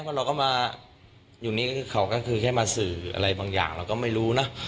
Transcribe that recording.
เพราะเราก็มาอยู่นี่ก็คือเขาก็คือแค่มาสื่ออะไรบางอย่างเราก็ไม่รู้นะ